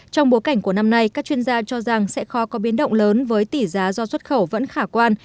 trong bối cảnh của năm nay các chuyên gia cho rằng sẽ khó có biến động lớn với tỷ giá do xuất khẩu vẫn khả quan